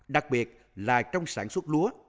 đặc biệt là trong sản xuất lúa